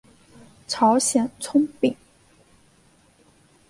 朝鲜葱饼。